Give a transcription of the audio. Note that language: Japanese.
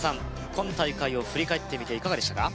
今大会を振り返ってみていかがでしたか